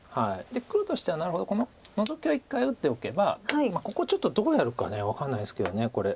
黒としてはなるほどこのノゾキは１回打っておけばここちょっとどうやるか分かんないですけどこれ。